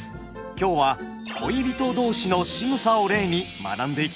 今日は恋人同士のしぐさを例に学んでいきましょう。